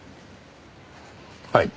はい。